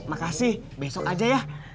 makasih besok aja ya